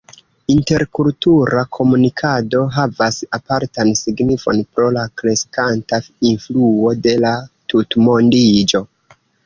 Interkultura komunikado havas apartan signifon pro la kreskanta influo de la tutmondiĝo.